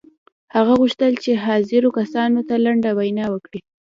هغه غوښتل چې حاضرو کسانو ته لنډه وینا وکړي